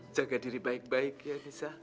jaga diri baik baik ya bisa